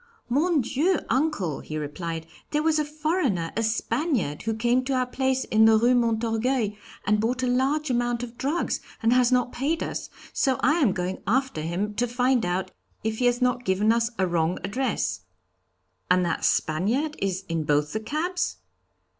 'Mon Dieu, uncle,' he replied, 'there was a foreigner, a Spaniard, who came to our place in the Rue Montorgueil and bought a large amount of drugs, and has not paid us, so I am going after him to find out if he has not given us a wrong address.' 'And that Spaniard is in both the cabs?'